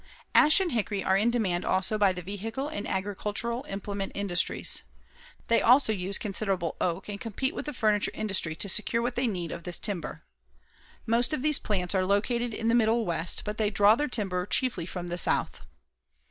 Ash and hickory are in demand also by the vehicle and agricultural implement industries. They also use considerable oak and compete with the furniture industry to secure what they need of this timber. Most of these plants are located in the Middle West but they draw their timber chiefly from the South.